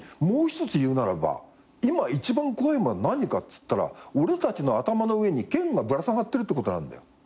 もう一つ言うならば今一番怖いものは何かっつったら俺たちの頭の上に剣がぶら下がってるってことなんだよ。